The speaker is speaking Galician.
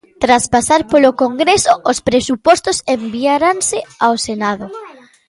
Tras pasar polo Congreso, os Presupostos enviaranse ao Senado.